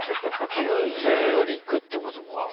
９０よりいくってことか。